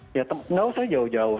tidak usah jauh jauh